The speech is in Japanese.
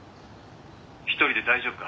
一人で大丈夫か？